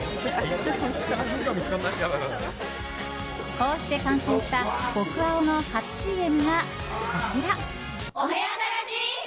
こうして完成した僕青の初ＣＭが、こちら。